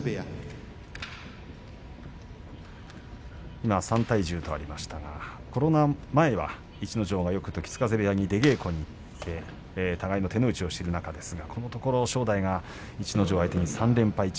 今、３対１０とありましたがコロナ前は逸ノ城がよく時津風部屋で稽古に行って互いに手の内を知っていますがこのところ正代が逸ノ城を相手に３連敗中。